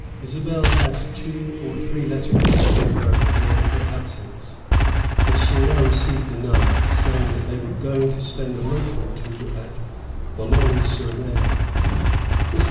Isabel had two or three letters from her during her absence, and she now received another, saying they were going to spend a month or two at Boulogne sur Mer. Mr.